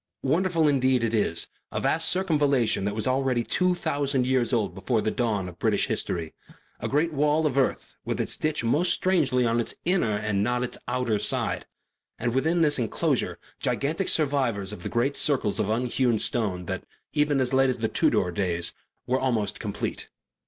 Wonderful indeed it is, a vast circumvallation that was already two thousand years old before the dawn of British history; a great wall of earth with its ditch most strangely on its inner and not on its outer side; and within this enclosure gigantic survivors of the great circles of unhewn stone that, even as late as Tudor days, were almost complete.